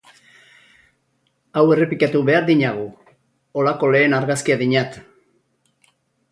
Hau errepikatu behar dinagu, holako lehen argazkia dinat.